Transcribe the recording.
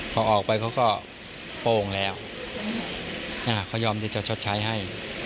พอออกไปเขาก็โป้งแล้วเขายอมที่จะชดใช้ให้